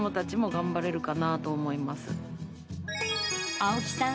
青木さん